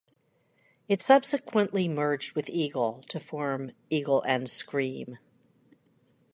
It subsequently merged with "Eagle" to form "Eagle and Scream!